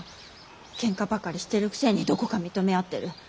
ケンカばかりしてるくせにどこか認め合ってる。